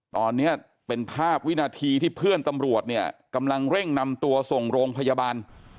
ตอนนี้เป็นภาพวินาทีที่เพื่อนตำรวจเนี่ยกำลังเร่งนำตัวส่งโรงพยาบาล